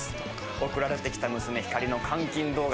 送られてきた娘・光莉の監禁動画。